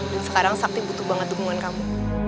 dan sekarang sakti butuh banget dukungan kamu